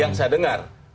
yang saya dengar